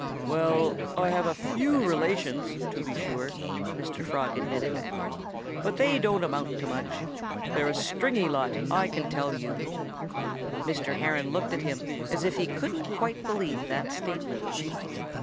"Well, I have a few relations, to be sure," Mr. Frog admitted. "But they don't amount to much. They're a stringy lot, I can tell you." Mr. Heron looked at him as if he couldn't quite believe that statement.